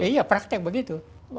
iya praktek begitu